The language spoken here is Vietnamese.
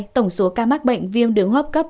tổng số ca mắc bệnh viêm đường hấp cấp